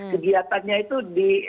kegiatannya itu di